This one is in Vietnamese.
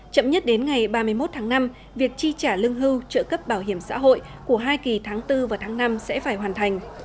chậm nhất đến ngày ba mươi một tháng năm việc chi trả lương hưu trợ cấp bảo hiểm xã hội của hai kỳ tháng bốn và tháng năm sẽ phải hoàn thành